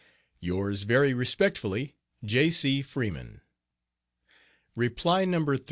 Yours very respectfully, J. C. FREEMAN. Reply No. 3.